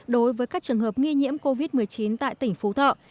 đối với các trường hợp nghi nhiễm covid một mươi chín tại tỉnh phú thọ